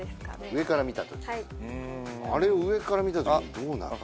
上から見た時あれを上から見た時にどうなる？